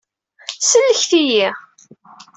Sellket-iyi.